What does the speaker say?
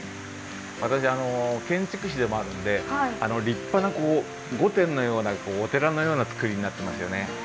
私あの建築士でもあるんで立派なこう御殿のようなお寺のようなつくりになってますよね。